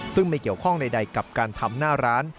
ซึ่งไม่เกี่ยวข้องใดกับการทำหน้าร้าน